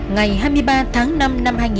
ngày hai mươi ba tháng năm năm hai nghìn một mươi tám